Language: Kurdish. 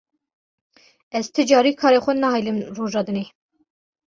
Ez ti carî karê xwe nahêlim roja dinê.